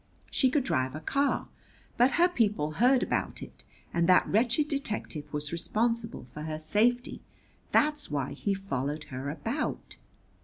She could drive a car. But her people heard about it, and that wretched detective was responsible for her safety. That's why he followed her about."